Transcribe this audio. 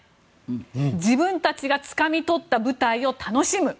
自分たちがつかみ取った舞台を楽しむ。